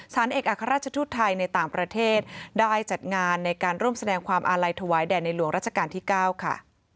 เอกอัครราชทูตไทยในต่างประเทศได้จัดงานในการร่วมแสดงความอาลัยถวายแด่ในหลวงราชการที่๙ค่ะ